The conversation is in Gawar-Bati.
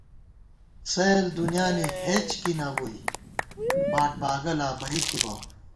سَئیل دُنیانی ہېچکی نہ بُوئی ، باٹباگہ لا بئ تھِبہ